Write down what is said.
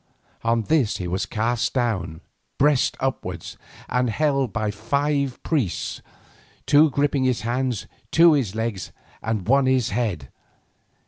On this he was cast down, breast upwards, and held so by five priests, two gripping his hands, two his legs, and one his head.